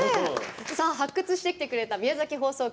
発掘してきてくれた宮崎放送局